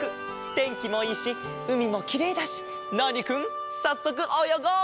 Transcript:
てんきもいいしうみもきれいだしナーニくんさっそくおよごう！